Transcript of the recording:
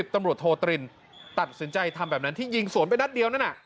ตำรวจโทตรินตัดสินใจทำแบบนั้นที่ยิงสวนไปนัดเดียวนั่นน่ะ